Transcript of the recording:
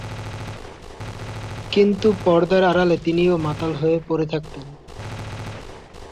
কিন্তু পর্দার আড়ালে তিনিও মাতাল হয়ে পড়ে থাকতেন।